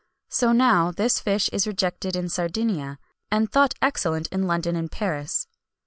So, now, this fish is rejected in Sardinia, and thought excellent in London and Paris.